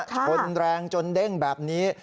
ชนแรงจนเด้งแบบนี้